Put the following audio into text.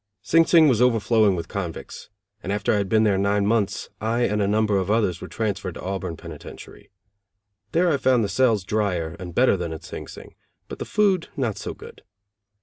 Sing Sing was overflowing with convicts, and after I had been there nine months, I and a number of others were transferred to Auburn penitentiary. There I found the cells drier, and better than at Sing Sing, but the food not so good.